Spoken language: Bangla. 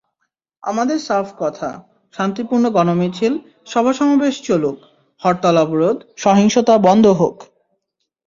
আমাদের সাফ কথা, শান্তিপূর্ণ গণমিছিল, সভা-সমাবেশ চলুক, হরতাল-অবরোধ, সহিংসতা বন্ধ হোক।